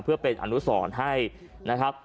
เพื่อไปอนุสอนให้นะครับ